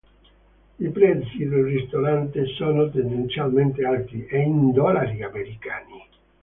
I prezzi del ristorante sono tendenzialmente alti e in dollari americani.